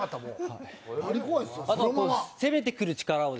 攻めてくる力を。